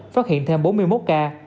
phát hiện thêm bốn mươi một ca